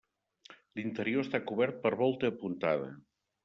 L'interior està cobert per volta apuntada.